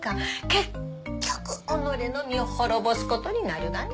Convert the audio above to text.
結局己の身を滅ぼすことになるがね。